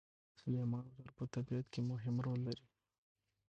سلیمان غر په طبیعت کې مهم رول لري.